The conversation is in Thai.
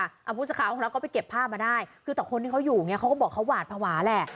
อาพุทธสาขาของเราก็ไปเก็บภาพมาได้คือต่อคนที่เขาอยู่เนี่ยเขาก็บอกเขาหวาดภาวะแหละ